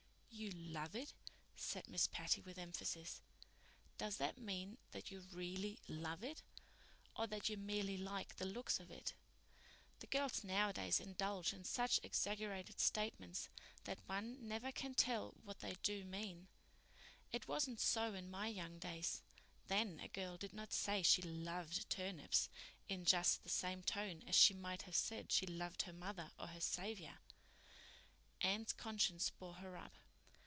"You love it," said Miss Patty with emphasis. "Does that mean that you really love it? Or that you merely like the looks of it? The girls nowadays indulge in such exaggerated statements that one never can tell what they do mean. It wasn't so in my young days. Then a girl did not say she loved turnips, in just the same tone as she might have said she loved her mother or her Savior." Anne's conscience bore her up.